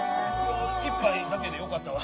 １杯だけでよかったわ。